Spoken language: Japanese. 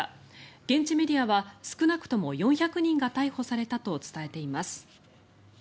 現地メディアは少なくとも４００人が逮捕されたと伝えています。